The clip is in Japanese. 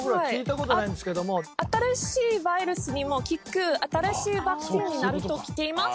新しいウイルスにも効く新しいワクチンになると聞いています。